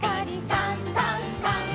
「さんさんさん」